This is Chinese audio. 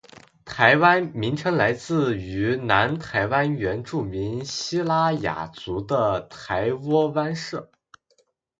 “台湾”名称来自于南台湾原住民西拉雅族的台窝湾社。